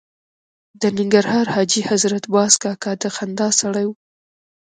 د ننګرهار حاجي حضرت باز کاکا د خندا سړی و.